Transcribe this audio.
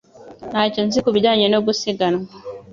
Ntacyo nzi ku bijyanye no gusiganwa